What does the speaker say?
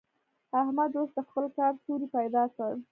احمد اوس د خپل کار سوری پيدا کړ.